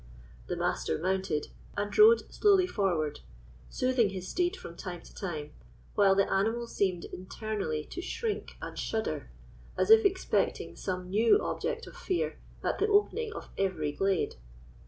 The Master mounted, and rode slowly forward, soothing his steed from time to time, while the animal seemed internally to shrink and shudder, as if expecting some new object of fear at the opening of every glade.